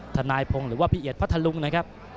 ทนายพงศ์หรือว่าพี่เอียดพัทธลุงนะครับ